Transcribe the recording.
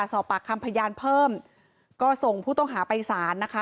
สอบปากคำพยานเพิ่มก็ส่งผู้ต้องหาไปสารนะคะ